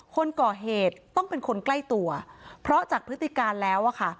คนก่อเหตุต้องเป็นคนใกล้ตัวเพราะจากพฤติการแล้วอะค่ะ